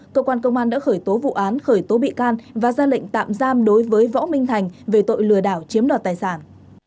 cơ quan công an đã khởi tố vụ án khởi tố bị can và ra lệnh tạm giam đối với võ minh thành về tội lừa đảo chiếm đoạt tài sản